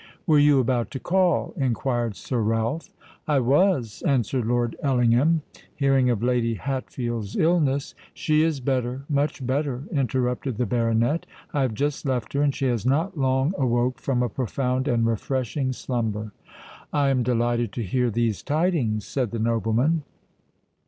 "Were you about to call?" inquired Sir Ralph. "I was," answered Lord Ellingham. "Hearing of Lady Hatfield's illness——" "She is better—much better," interrupted the baronet. "I have just left her; and she has not long awoke from a profound and refreshing slumber." "I am delighted to hear these tidings," said the nobleman.